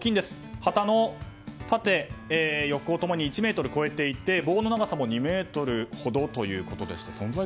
旗は縦横ともに１ｍを超えていて棒の長さも２ｍほどということでした。